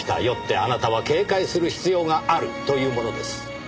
よってあなたは警戒する必要があるというものです。